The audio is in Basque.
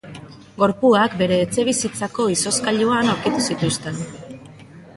Gorpuak bere etxebizitzako izozkailuan aurkitu zituzten.